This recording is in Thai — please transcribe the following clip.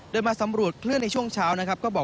เดินมาสำรวจขึ้นในช่วงเช้านะครับ